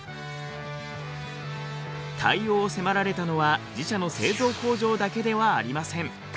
対応を迫られたのは自社の製造工場だけではありません。